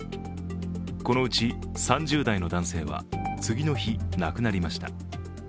このうち３０代の男性は次の日、亡くなりました。